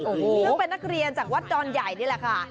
ซึ่งเป็นนักเรียนจากวัดดอนใหญ่นี่แหละค่ะ